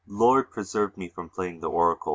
Lord preserve me from playing the oracle!